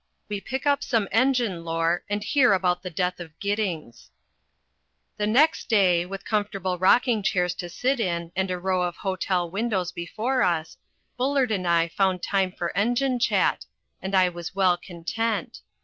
II WE PICK UP SOME ENGINE LORE AND HEAR ABOUT THE DEATH OF GIDDINGS THE next day, with comfortable rocking chairs to sit in and a row of hotel windows before us, Bullard and I found time for engine chat, and I was well content.